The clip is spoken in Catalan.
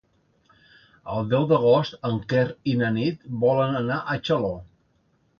El deu d'agost en Quer i na Nit volen anar a Xaló.